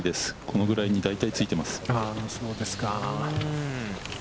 このぐらいに大体ついています。